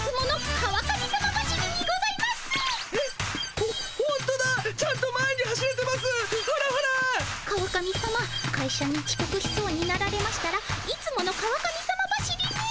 川上さまかいしゃにちこくしそうになられましたらいつもの川上さま走りに。